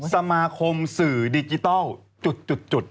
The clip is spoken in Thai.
สมาคมสื่อดิจิทัลจุด